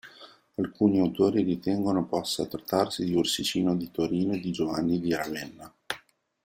Alcuni autori ritengono possa trattarsi di Ursicino di Torino e di Giovanni di Ravenna.